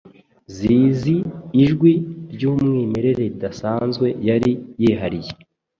zizi ijwi ry'umwimerere ridasanzwe yari yihariye.